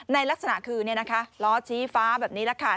ลักษณะคือล้อชี้ฟ้าแบบนี้แหละค่ะ